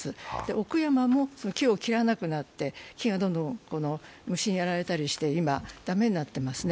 奥山も木を切らなくなって木がどんどん虫にやられたりして今、駄目になっていますね。